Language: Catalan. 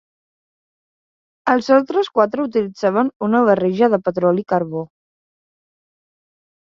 Els altres quatre utilitzaven una barreja de petroli i carbó.